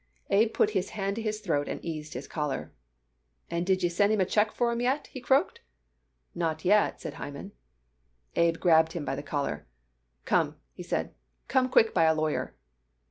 Abe put his hand to his throat and eased his collar. "And did you send him a check for 'em yet?" he croaked. "Not yet," said Hyman. Abe grabbed him by the collar. "Come!" he said. "Come quick by a lawyer!"